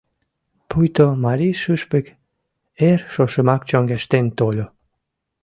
Пуйто марий шӱшпык эр шошымак чоҥештен тольо.